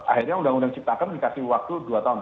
akhirnya undang undang ciptaker dikasih waktu dua tahun